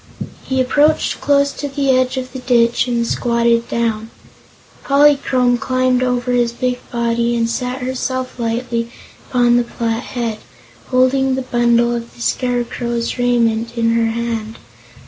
He approached close to the edge of the ditch and squatted down. Polychrome climbed over his big body and sat herself lightly upon the flat head, holding the bundle of the Scarecrow's raiment in her hand.